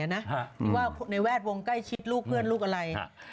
นึกว่าในแวดวงใกล้ชิดลูกเพื่อนลูกอะไร